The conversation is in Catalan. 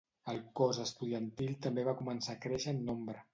El cos estudiantil també va començar a créixer en nombre.